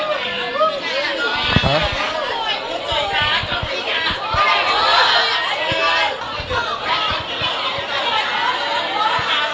ต้องเชื่ออะไรอ่ะ